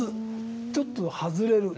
ちょっと外れる。